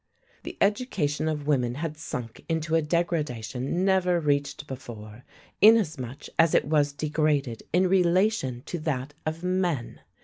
The education of women had sunk into a degradation never reached before, inasmuch as it was degraded in relation to that of men.